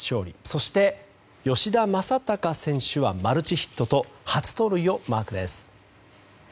そして、吉田正尚選手はマルチヒットと初盗塁をマークです。